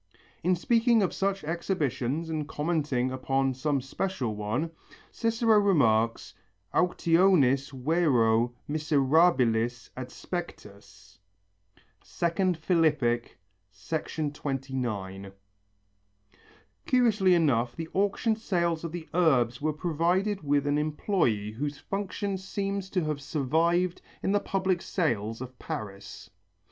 In speaking of such exhibitions and commenting upon some special one, Cicero remarks, Auctionis vero miserabilis adspectus (Phil., II, 29). Curiously enough the auction sales of the Urbs were provided with an employé whose function seems to have survived in the public sales of Paris.